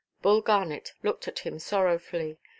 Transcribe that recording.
Bull Garnet looked at him sorrowfully.